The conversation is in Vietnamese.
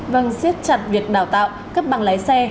vâng siết chặt việc đào tạo cấp bằng lái xe